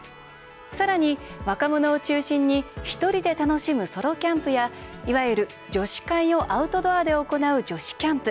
さらに、若者を中心に１人で楽しむソロキャンプやいわゆる女子会をアウトドアで行う女子キャンプ